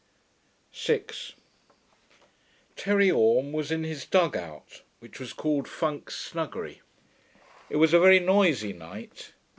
6 Terry Orme was in his dug out, which was called Funk Snuggery. It was a very noisy night.